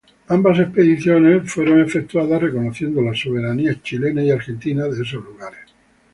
Ambas expediciones fueron efectuadas reconociendo la soberanía chilena y argentina de esos lugares.